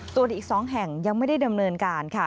ส่วนอีก๒แห่งยังไม่ได้ดำเนินการค่ะ